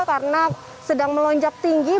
karena sedang melonjak tinggi